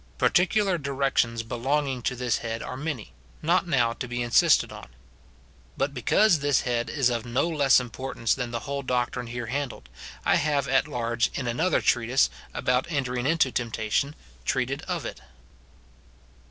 Particular directions belonging to this head are many, not now to be insisted on. But because this head is of no less importance than the whole doctrine here handled, I have at large in an other treatise, about entering into temptation, treated of it.